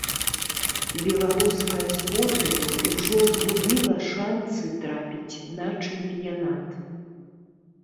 Беларуская зборная ужо згубіла шансы трапіць на чэмпіянат.